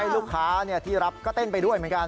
ลูกค้าที่รับก็เต้นไปด้วยเหมือนกัน